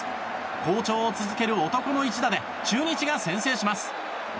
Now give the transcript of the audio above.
好調を続ける男の一打で中日が先制します。